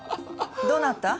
どなた？